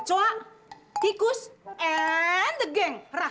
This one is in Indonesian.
oh jadi kamu pikir aku